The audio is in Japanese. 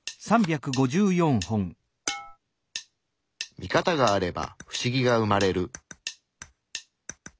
ミカタがあればフシギが生まれる。